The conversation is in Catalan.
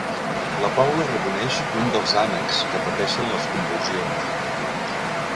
La Paula reconeix un dels ànecs que pateixen les convulsions.